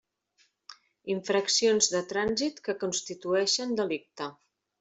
Infraccions de trànsit que constituïxen delicte.